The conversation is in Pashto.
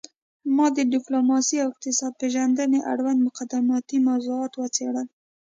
ما د ډیپلوماسي او اقتصاد پیژندنې اړوند مقدماتي موضوعات وڅیړل